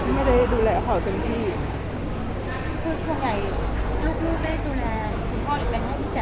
คือสมัยลูกไม่ดูแลพ่อหรือเป็นให้พี่แจ่วพูดอะไรยังไง